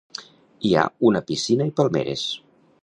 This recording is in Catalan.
Hi ha una piscina i palmeres.